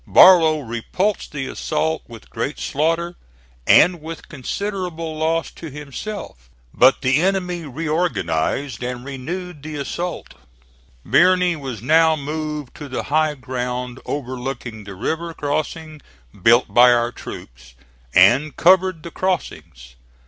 Barlow repulsed the assault with great slaughter, and with considerable loss to himself. But the enemy reorganized and renewed the assault. Birney was now moved to the high ground overlooking the river crossings built by our troops, and covered the crossings.